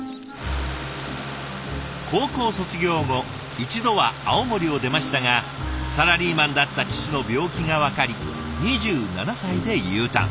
高校卒業後一度は青森を出ましたがサラリーマンだった父の病気が分かり２７歳でＵターン。